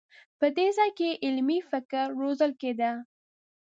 په دې ځای کې علمي فکر روزل کېده.